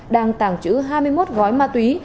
đang tăng chữ hai mươi một gói ma túy